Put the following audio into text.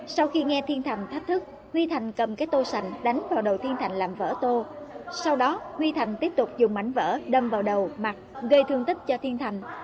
sau khi nghe thiên thành thách thức huy thành cầm cái tô sành đánh vào đầu tiên thành làm vỡ tô sau đó huy thành tiếp tục dùng mảnh vỡ đâm vào đầu mặt gây thương tích cho thiên thành